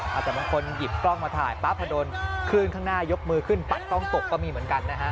อาจจะบางคนหยิบกล้องมาถ่ายป๊าพะดนขึ้นข้างหน้ายกมือขึ้นปัดกล้องตกก็มีเหมือนกันนะฮะ